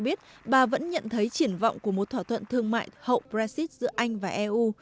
cho biết bà vẫn nhận thấy triển vọng của một thỏa thuận thương mại hậu brexit giữa anh và eu